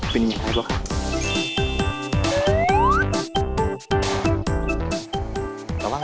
เป็นอย่างไรบ้าง